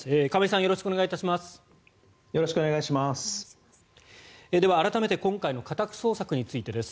よろしくお願いします。